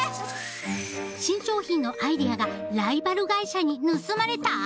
新商品のアイデアがライバル会社に盗まれた！？